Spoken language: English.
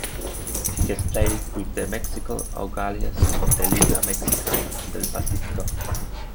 He has played with the Mexicali Aguilas of the Liga Mexicana Del Pacifico.